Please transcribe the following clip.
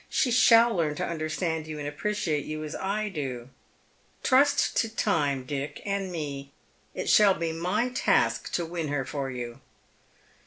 She shall learn to understand you and appreciate you as I do. Trust to timcv Dick, and me. It shall be my task to win her for you."